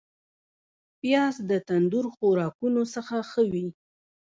پیاز د تندور خوراکونو سره ښه وي